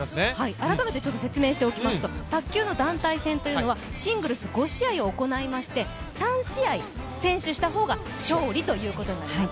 改めて説明しておきますと、卓球の団体戦はシングルス５試合を行いまして３試合先取した方が勝利ということになります。